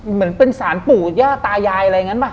เหมือนเป็นสารปู่ย่าตายายอะไรอย่างนั้นป่ะ